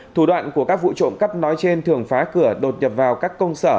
thủ đoạn của các vụ trộm cắp nói trên thường phá cửa đột nhập vào các công sở